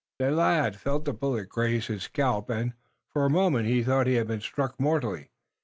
The lad felt the bullet graze his scalp, and, for a moment, he thought he had been struck mortally.